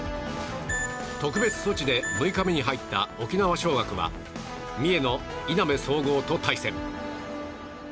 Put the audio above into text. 特別措置で６日目に入った沖縄尚学は三重のいなべ総合と対戦。